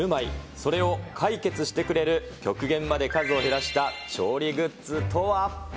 それを解決してくれる極限まで数を減らした調理グッズとは。